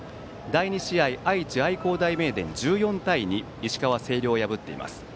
第２試合、愛知・愛工大名電１４対２で石川・星稜を破っています。